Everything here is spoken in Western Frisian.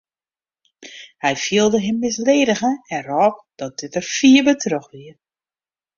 Hy fielde him misledige en rôp dat dit der fier by troch wie.